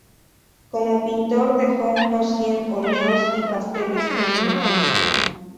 Como pintor dejó unos cien óleos y pasteles terminados.